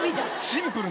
シンプルな。